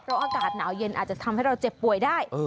เพราะอากาศหนาวเย็นอาจจะทำให้เราเจ็บป่วยได้